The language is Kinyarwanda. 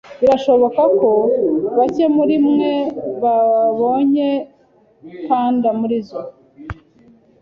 Birashoboka ko bake muri mwe babonye panda muri zoo